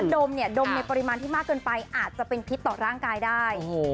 ดมเนี่ยดมในปริมาณที่มากเกินไปอาจจะเป็นพิษต่อร่างกายได้